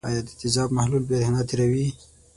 آیا د تیزاب محلول برېښنا تیروي؟